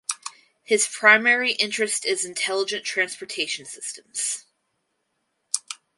His primary interest is intelligent transportation systems.